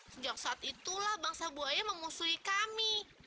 sejak saat itulah bangsa buaya memusuhi kami